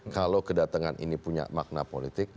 kalau kedatangan ini punya makna politik